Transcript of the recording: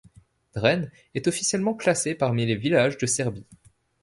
Dren est officiellement classé parmi les villages de Serbie.